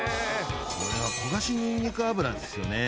これは焦がしニンニク油ですよね